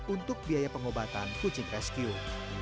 untuk biaya pengobatan kucing rescue